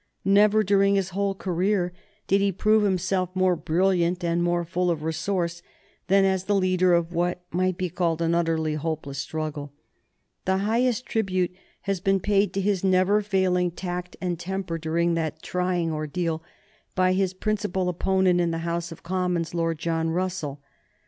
Never during his whole career did he prove himself more brilliant and more full of resource than as the leader of what might be called an utterly hopeless struggle. The highest tribute has been paid to his never failing tact and temper during that trying ordeal by his principal opponent in the House of Commons, Lord John Russell.